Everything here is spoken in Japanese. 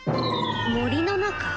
森の中？